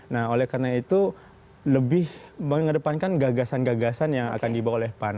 nah oleh karena itu lebih mengedepankan gagasan gagasan yang akan dibawa oleh pan